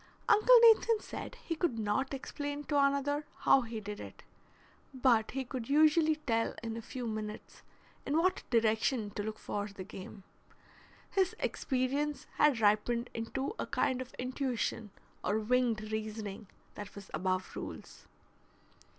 Uncle Nathan said he could not explain to another how he did it, but he could usually tell in a few minutes in what direction to look for the game. His experience had ripened into a kind of intuition or winged reasoning that was above rules.